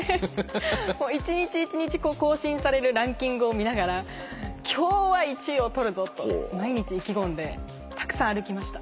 一日一日更新されるランキングを見ながら今日は１位を取るぞと毎日意気込んでたくさん歩きました。